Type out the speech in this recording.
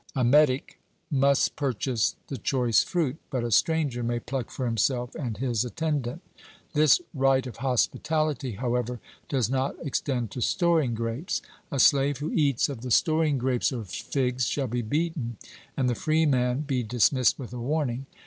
A metic must purchase the choice fruit; but a stranger may pluck for himself and his attendant. This right of hospitality, however, does not extend to storing grapes. A slave who eats of the storing grapes or figs shall be beaten, and the freeman be dismissed with a warning.